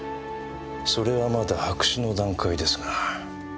それはまだ白紙の段階ですが。